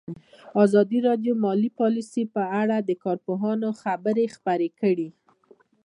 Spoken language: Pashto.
ازادي راډیو د مالي پالیسي په اړه د کارپوهانو خبرې خپرې کړي.